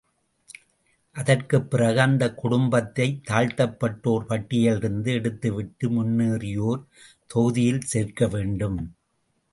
அதற்குப் பிறகு அந்தக் குடும்பத்தைத் தாழ்த்தப்பட்டோர் பட்டியலிலிருந்து எடுத்துவிட்டு முன்னேறியோர் தொகுதியில் சேர்க்க வேண்டும்.